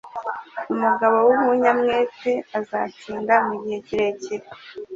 Umugabo w'umunyamwete azatsinda mugihe kirekire.